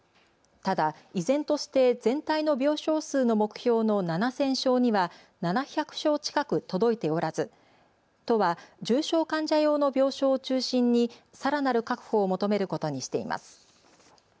ただ、依然として全体の病床数の目標の７０００床には７００床近く届いておらず都は重症患者用の病床を中心にさらなる確保を求めることにしています。